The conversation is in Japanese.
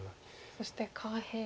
そして下辺は。